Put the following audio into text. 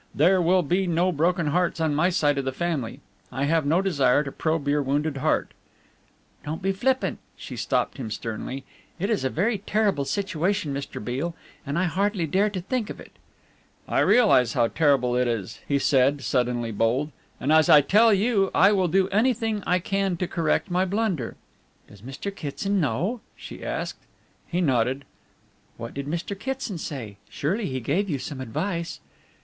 There will be no broken hearts on my side of the family. I have no desire to probe your wounded heart " "Don't be flippant," she stopped him sternly; "it is a very terrible situation, Mr. Beale, and I hardly dare to think of it." "I realize how terrible it is," he said, suddenly bold, "and as I tell you, I will do everything I can to correct my blunder." "Does Mr. Kitson know?" she asked. He nodded. "What did Mr. Kitson say? Surely he gave you some advice."